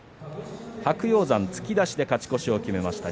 白鷹山、突き出しで勝ち越しを決めました